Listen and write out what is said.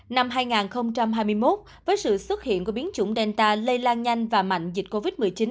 năm hai nghìn hai mươi một với sự xuất hiện của biến chủng delta lây lan nhanh và mạnh dịch covid một mươi chín